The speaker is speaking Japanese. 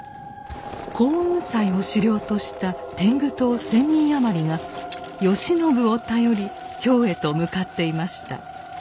耕雲斎を首領とした天狗党１，０００人余りが慶喜を頼り京へと向かっていました。